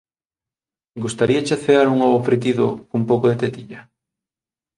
Gustaríache cear un ovo fritido cun pouco de tetilla.